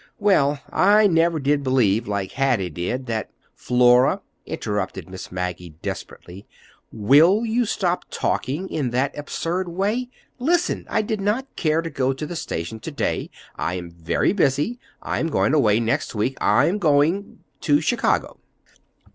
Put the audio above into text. Well, I never did believe, like Hattie did, that—" "Flora," interrupted Miss Maggie desperately, "Will you stop talking in that absurd way? Listen, I did not care to go to the station to day. I am very busy. I am going away next week. I am going—to Chicago."